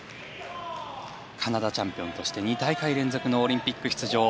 カナダチャンピオンとして２大会連続のオリンピック出場。